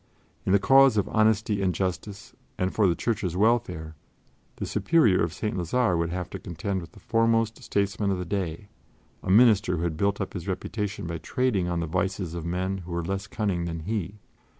In the cause of honesty and justice, and for the Church's welfare, the Superior of St. Lazare would have to contend with the foremost statesman of the day, a Minister who had built up his reputation by trading on the vices of men who were less cunning than he.